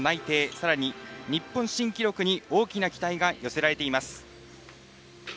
さらに、日本新記録に大きな期待が寄せられています。